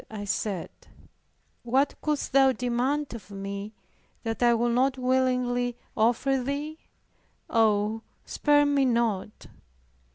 I said, "What couldst Thou demand of me, that I would not willingly offer Thee? Oh, spare me not."